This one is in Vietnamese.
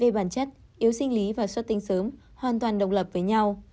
bản chất yếu sinh lý và xuất tinh sớm hoàn toàn độc lập với nhau